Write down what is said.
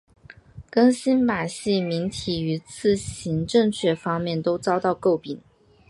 更新版细明体于字形正确方面都遭到诟病。